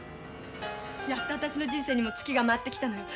やっと私の人生にもツキが回ってきたのよ。